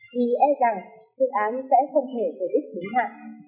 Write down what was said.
thì e rằng dự án sẽ không thể có đích hứng hạn